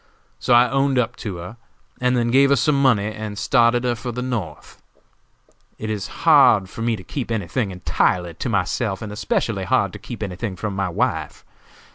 So I owned up to her, and then gave her some money and started her for the North. It is hard for me to keep any thing entirely to myself, and especially hard to keep any thing from my wife.